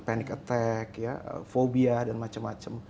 panic attack fobia dan macam macam